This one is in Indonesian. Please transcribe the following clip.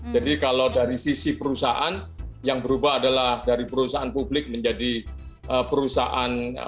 jadi kalau dari sisi perusahaan yang berubah adalah dari perusahaan publik menjadi perusahaan